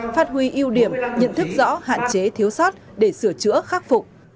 phát huy ưu điểm nhận thức rõ hạn chế thiếu sót để sửa chữa khắc phục